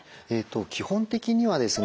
基本的にはですね